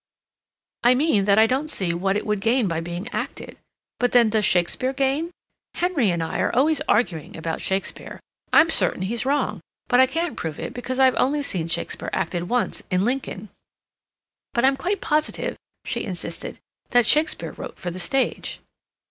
"I mean that I don't see what it would gain by being acted. But then does Shakespeare gain? Henry and I are always arguing about Shakespeare. I'm certain he's wrong, but I can't prove it because I've only seen Shakespeare acted once in Lincoln. But I'm quite positive," she insisted, "that Shakespeare wrote for the stage."